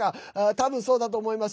多分、そうだと思います。